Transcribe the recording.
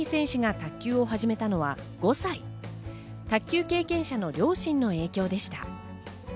卓球経験者の両親の影響でした。